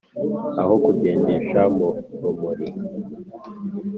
aho kungendesha mu rumuri.